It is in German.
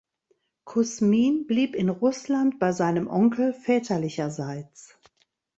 Kusmin blieb in Russland bei seinem Onkel väterlicherseits.